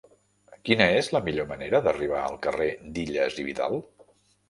Quina és la millor manera d'arribar al carrer d'Illas i Vidal?